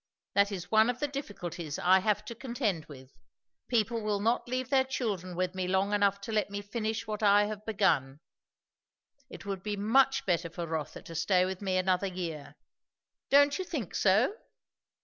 That is one of the difficulties I have to contend with; people will not leave their children with me long enough to let me finish what I have begun. It would be much better for Rotha to stay with me another year. Don't you think so?"